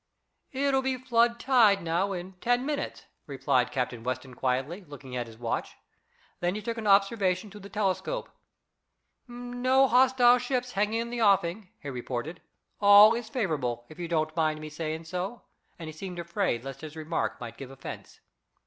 "It will be flood tide now in ten minutes," remarked Captain Weston quietly, looking at his watch. Then he took an observation through the telescope. "No hostile ships hanging in the offing," he reported. "All is favorable, if you don't mind me saying so," and he seemed afraid lest his remark might give offense.